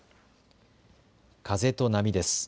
風と波です。